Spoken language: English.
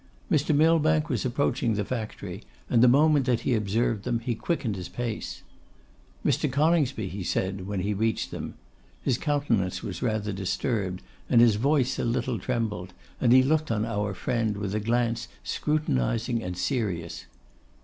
Mr. Millbank was approaching the factory, and the moment that he observed them, he quickened his pace. 'Mr. Coningsby?' he said, when he reached them. His countenance was rather disturbed, and his voice a little trembled, and he looked on our friend with a glance scrutinising and serious.